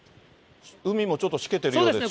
海もちょっとしけてるようですし。